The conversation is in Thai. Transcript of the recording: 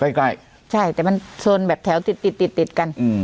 ใกล้ใกล้ใช่แต่มันโซนแบบแถวติดติดติดติดติดกันอืม